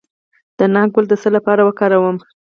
د ناک ګل د څه لپاره وکاروم؟